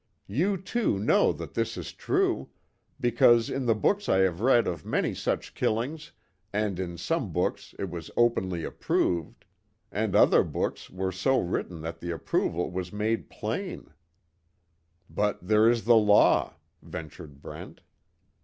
You, too, know that this is true, because in the books I have read of many such killings, and in some books it was openly approved, and other books were so written that the approval was made plain." "But, there is the law," ventured Brent.